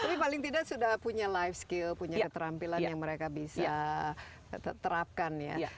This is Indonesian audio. tapi paling tidak sudah punya life skill punya keterampilan yang mereka bisa terapkan ya